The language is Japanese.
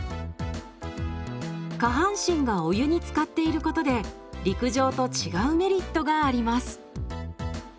下半身がお湯につかっていることで陸上と違うメリットがあります。